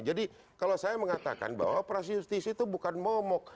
jadi kalau saya mengatakan bahwa operasi justisi itu bukan momok